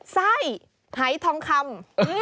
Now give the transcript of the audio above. ไส้หายทองคำ